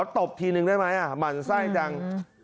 ตบทีนึงได้ไหมหมั่นไส้จัง